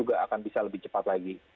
juga akan bisa lebih cepat lagi